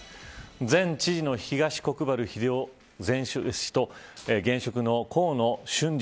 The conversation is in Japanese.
前知事の東国原英夫氏と現職の河野俊嗣